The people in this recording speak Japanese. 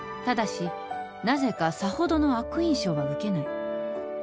「ただしなぜかさほどの悪印象は受けない」